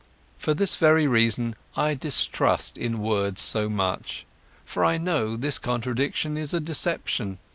For this very reason, I distrust in words so much, for I know, this contradiction is a deception.